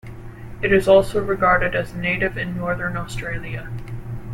It is also regarded as native in northern Australia.